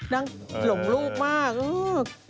นั่งหลมลูกมาก